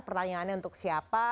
pertanyaannya untuk siapa